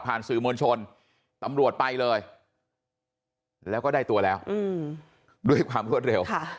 สื่อมวลชนตำรวจไปเลยแล้วก็ได้ตัวแล้วด้วยความรวดเร็ว